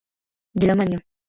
ګیله من یم